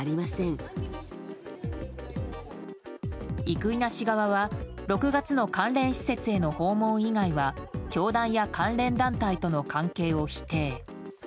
生稲氏側は６月の関連施設への訪問以外は教団や関連団体との関係を否定。